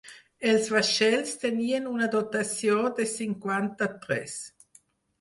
Els vaixells tenien una dotació de cinquanta-tres.